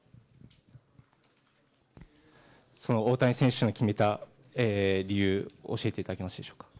その大谷選手に決めた理由教えていただけますでしょうか。